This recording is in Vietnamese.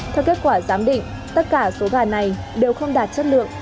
theo kết quả giám định tất cả số gà này đều không đạt chất lượng